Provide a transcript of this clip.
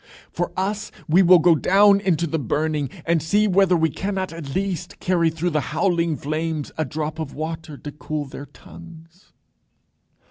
For us, we will go down into the burning, and see whether we cannot at least carry through the howling flames a drop of water to cool their tongues."